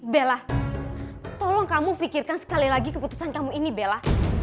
bella tolong kamu pikirkan sekali lagi keputusan kamu ini bella